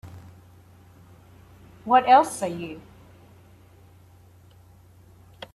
What else are you?